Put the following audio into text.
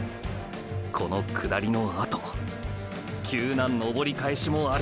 この下りのあと急な登り返しもある。